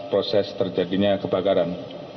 sebab proses terjadinya kebakaran